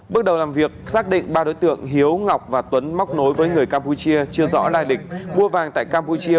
bước đầu làm việc xác định ba đối tượng hiếu ngọc và tuấn móc nối với người campuchia chưa rõ lai lịch mua vàng tại campuchia